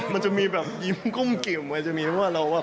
มันจะมีแบบยิ้มก้มกิ่มมันจะมีเพราะว่าเราอ่ะ